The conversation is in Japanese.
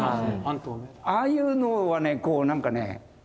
ああいうのはねなんかね